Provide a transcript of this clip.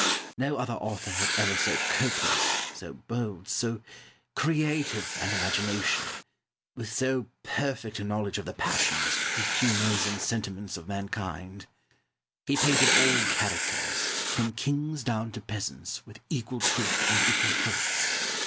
No other author had ever so copious, so bold, so creative an imagination, with so perfect a knowledge of the passions, the humours, and sentiments of mankind. He painted all characters, from kings down to peasants, with equal truth and equal force.